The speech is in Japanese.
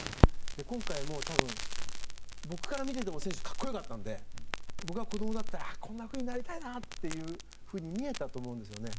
今回も多分、僕から見ていても選手は、格好良かったので僕が子供だったらこんなふうになりたいなって見えたと思うんですよね。